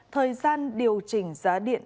thời gian điều chỉnh giá điện